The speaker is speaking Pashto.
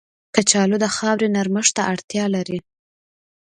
کچالو د خاورې نرمښت ته اړتیا لري